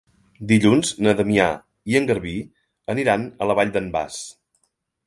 Dilluns na Damià i en Garbí aniran a la Vall d'en Bas.